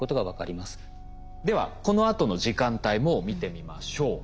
ではこのあとの時間帯も見てみましょう。